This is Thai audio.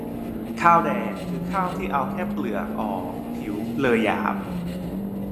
ข้าวแดง คือข้าวที่เอาแค่เปลือกออก ผิวเลยหยาบ